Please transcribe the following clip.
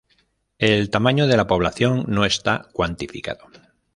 El tamaño de la población no está cuantificado.